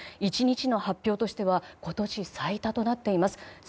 １日の発表としては今年最多となっています。